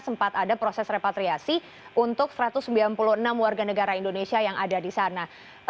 sempat ada proses repatriasi untuk satu ratus sembilan puluh enam warga negara indonesia yang ada di sana